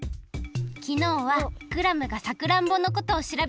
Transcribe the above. きのうはクラムがさくらんぼのことをしらべてくれたんだ。